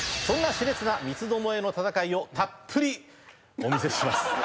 そんな熾烈な三つどもえの戦いをたっぷりお見せします。